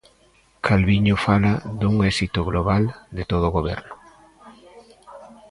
Calviño fala dun éxito global de todo o Goberno.